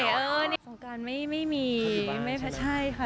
เข้าอยู่บ้านใช่ไหมใช่ค่ะ